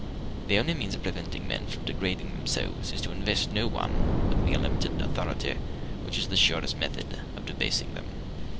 The only means of preventing men from degrading themselves is to invest no one with that unlimited authority which is the surest method of debasing them.